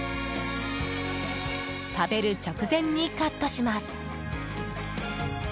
食べる直前にカットします。